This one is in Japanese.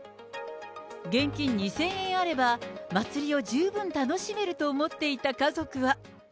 現金２０００円あれば祭りを十分楽しめると思っていた家族は。